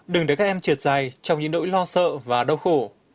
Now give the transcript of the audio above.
đừng để các em trượt dài trong những nỗi lo sợ và đau khổ